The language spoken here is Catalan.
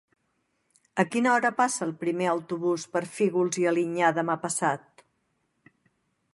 A quina hora passa el primer autobús per Fígols i Alinyà demà passat?